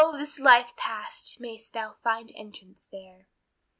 this life past mayst thou find entrance there.